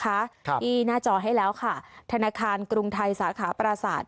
ครับที่หน้าจอให้แล้วค่ะธนาคารกรุงไทยสาขาปราศาสตร์